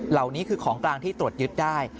เหล่านี้คือของกลางที่ตรวจยึดได้